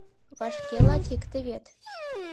— Вашке латикте вет.